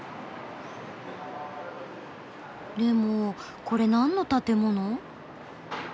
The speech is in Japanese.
でもこれなんの建物？